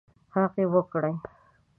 هغه وکړي.